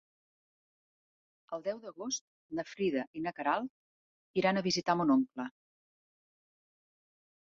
El deu d'agost na Frida i na Queralt iran a visitar mon oncle.